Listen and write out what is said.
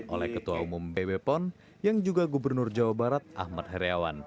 oleh ketua umum bw pon yang juga gubernur jawa barat ahmad heriawan